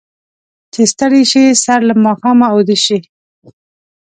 چې ستړي شي، سر له ماښامه اوده شي.